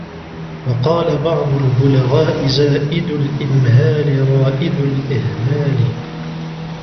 وَقَالَ بَعْضُ الْبُلَغَاءِ زَائِدُ الْإِمْهَالِ رَائِدُ الْإِهْمَالِ